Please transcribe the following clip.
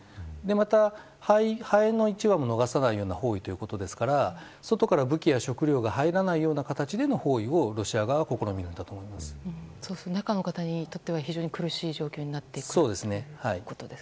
また、ハエの１匹も逃さないような包囲ということですから外からの武器や食料が入らないような形での包囲を中の方にとっては非常に苦しい状況になるということですね。